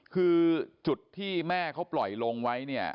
คือจุดที่แม่เขาปล่อยลงไว้เนี่ย